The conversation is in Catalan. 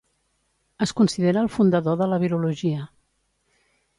Es considera el fundador de la virologia.